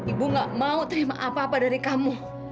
ibu gak mau terima apa apa dari kamu